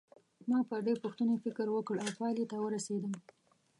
ما پر دې پوښتنې فکر وکړ او پایلې ته ورسېدم.